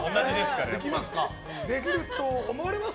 できると思われます！